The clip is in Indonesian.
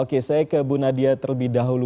oke saya ke bu nadia terlebih dahulu